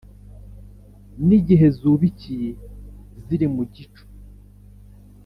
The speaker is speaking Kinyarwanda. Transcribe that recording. n’igihe zubikiye ziri mu gico’